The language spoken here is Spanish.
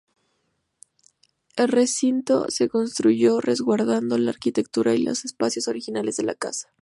El recinto se construyó resguardando la arquitectura y los espacios originales de la casa.